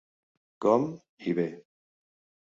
Com. i B.